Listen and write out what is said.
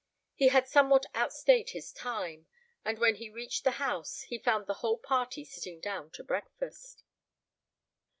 He had somewhat outstayed his time; and when he reached the house, he found the whole party sitting down to breakfast.